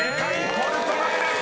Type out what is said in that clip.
「ポルトガル」です］